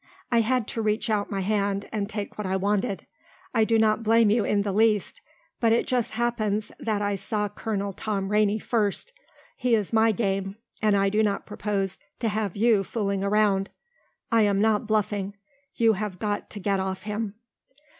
I had to reach out my hand and take what I wanted. I do not blame you in the least, but it just happens that I saw Colonel Tom Rainey first. He is my game and I do not propose to have you fooling around. I am not bluffing. You have got to get off him."